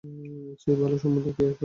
এর চেয়ে ভালো সম্বন্ধ কী করে পাবো?